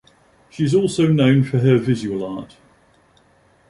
She is also known for her visual art.